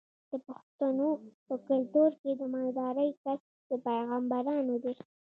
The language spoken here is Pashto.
د پښتنو په کلتور کې د مالدارۍ کسب د پیغمبرانو دی.